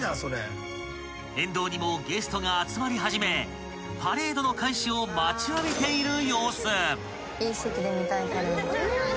［沿道にもゲストが集まり始めパレードの開始を待ちわびている様子］